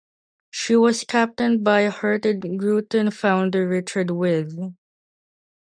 She was captained by Hurtigruten founder Richard With.